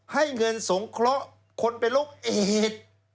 ให้เงินสงเคราะห์คนเป็นโรคเอด